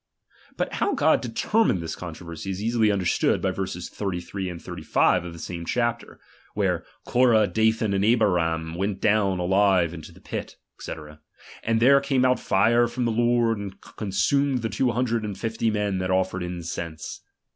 But ^H how God determined this controversy, is easily ^H understood by verses 33 and 35 of the same chap ^H ter, where Corah, Dathan, and Abiram went down ^H alive into the pit, ^^c. And there came out jive ^H from the Lord, and consumed the two hundred ^H and fifty men that offered incense.